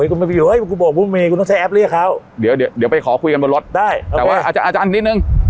อุ้ยเดี๋ยวเดี๋ยวเดี๋ยวไปขอคุยกันบนรถได้แต่ว่าอาจารย์อาจารย์นิดนึง